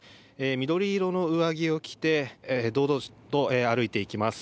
緑色の上着を着て堂々と歩いていきます。